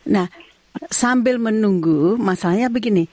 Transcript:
nah sambil menunggu masalahnya begini